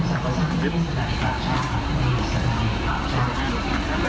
สวัสดีครับสวัสดีครับ